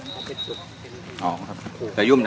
สวัสดีครับทุกคน